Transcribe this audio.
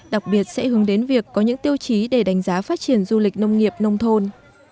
đặc biệt sẽ hướng đến việc có những tiêu chí để đánh giá phát triển du lịch nông nghiệp nông thôn